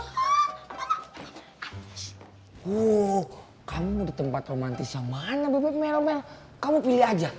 ssst kamu mau di tempat romantis yang mana beb mel kamu pilih aja